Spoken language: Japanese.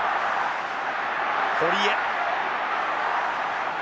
堀江。